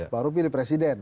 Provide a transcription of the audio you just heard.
baru pilih presiden